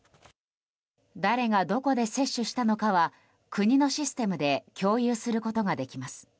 誰がどこで接種したのかは国のシステムで共有することができます。